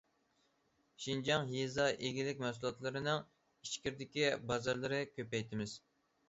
شىنجاڭ يېزا ئىگىلىك مەھسۇلاتلىرىنىڭ ئىچكىرىدىكى بازارلىرىنى كۆپەيتىمىز.